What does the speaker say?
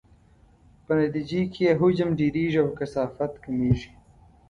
په نتیجې کې یې حجم ډیریږي او کثافت کمیږي.